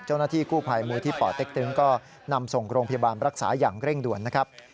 เจ้าหน้าที่กู้ภัยมูลที่ป่อเต็กตึงก็นำส่งโรงพยาบาลรักษาอย่างเร่งด่วนนะครับ